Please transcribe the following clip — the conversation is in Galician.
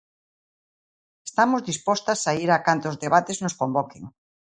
Estamos dispostas a ir a cantos debates nos convoquen.